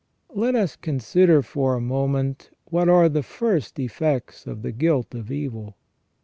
Let us consider for a moment what are the first effects of the guilt of evil.